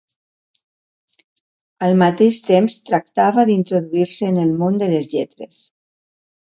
Al mateix temps tractava d'introduir-se en el món de les lletres.